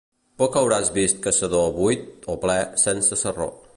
Poc hauràs vist caçador buit o ple sense sarró.